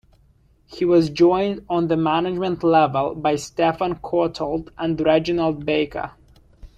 He was joined on the management level by Stephen Courtauld and Reginald Baker.